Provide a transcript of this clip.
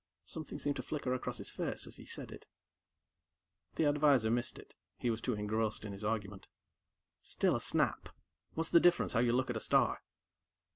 Something seemed to flicker across his face as he said it. The advisor missed it; he was too engrossed in his argument. "Still a snap. What's the difference, how you look at a star?"